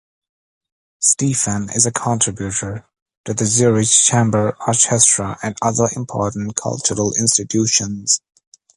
Stephan is a contributor to the Zurich Chamber Orchestra and other important cultural institutions.